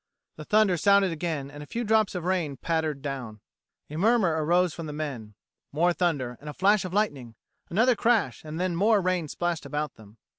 The thunder sounded again and a few drops of rain pattered down. A murmer arose from the men. More thunder, and a flash of lightning. Another crash, and more rain splashed about them.